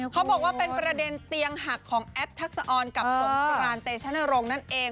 เขาบอกว่าเป็นประเด็นเตียงหักของแอปทักษะออนกับสงกรานเตชนรงค์นั่นเอง